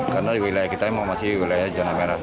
karena di wilayah kita memang masih wilayah zona merah